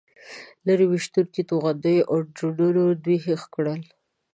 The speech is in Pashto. لرې ویشتونکو توغندیو او ډرونونو دوی هېښ کړل.